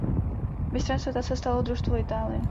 Mistrem světa se stalo družstvo Itálie.